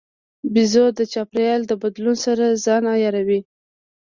بیزو د چاپېریال د بدلون سره ځان عیاروي.